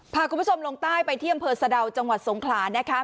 พาคุณผู้ชมลงใต้ไปที่อำเภอสะดาวจังหวัดสงขลานะคะ